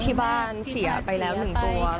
ที่บ้านเสียไปแล้ว๑ตัว